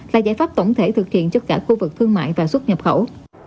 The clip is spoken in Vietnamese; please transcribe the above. là giải pháp tổng thể thực hiện cho cả khu vực thương mại và xuất nhập khẩu